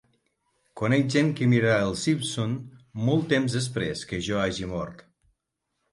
Conec gent que mirarà "Els Simpson" molt temps després que jo hagi mort.